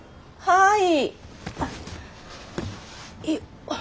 はい？